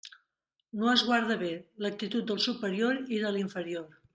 No es guarda bé l'actitud del superior i de l'inferior.